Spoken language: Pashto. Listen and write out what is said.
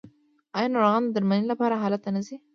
آیا ناروغان د درملنې لپاره هلته نه ځي؟